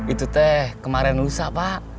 itu teh kemarin lusa pak